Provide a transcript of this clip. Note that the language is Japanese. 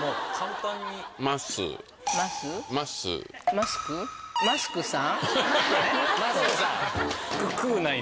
マスクさん。